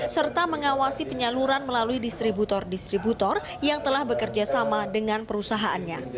serta mengawasi penyaluran melalui distributor distributor yang telah bekerja sama dengan perusahaannya